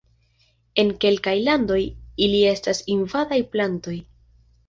En kelkaj landoj ili estas invadaj plantoj.